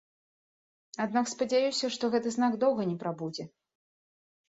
Аднак спадзяюся, што гэты знак доўга не прабудзе.